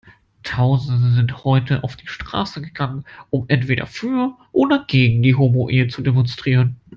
Tausende sind heute auf die Straße gegangen, um entweder für oder gegen die Homoehe zu demonstrieren.